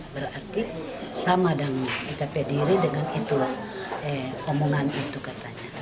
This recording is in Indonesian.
berarti sama dengan kita pede diri dengan itu omongan itu katanya